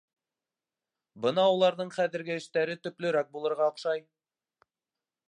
Бына уларҙың хәҙерге эштәре төплөрәк булырға оҡшай.